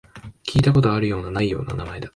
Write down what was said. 聞いたことあるような、ないような名前だ